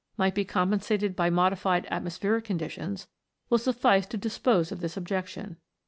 185 might be compensated by modified atmospheric con ditions, will suffice to dispose of this objection.